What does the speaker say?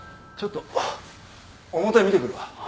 ちょっと表見てくるわ。